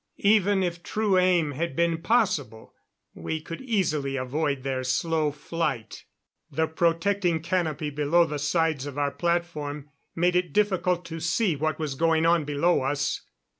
Even if true aim had been possible, we could easily avoid their slow flight. The protecting canopy below the sides of our platform made it difficult to see what was going on below us.